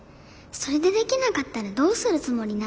それでできなかったらどうするつもりなの？